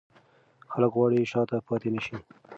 خلک غواړي شاته پاتې نه شي.